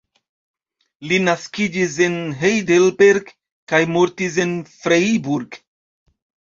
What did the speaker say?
Li naskiĝis en Heidelberg kaj mortis en Freiburg.